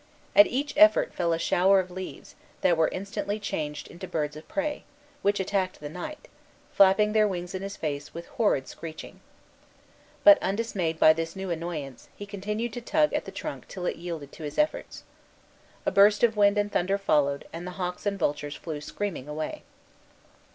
At each effort fell a shower of leaves, that were instantly changed into birds of prey, which attacked the knight, flapping their wings in his face, with horrid screeching. But undismayed by this new annoyance, he continued to tug at the trunk till it yielded to his efforts. A burst of wind and thunder followed, and the hawks and vultures flew screaming away.